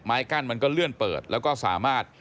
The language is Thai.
กั้นมันก็เลื่อนเปิดแล้วก็สามารถ